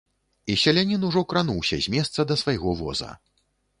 І селянін ужо крануўся з месца да свайго воза.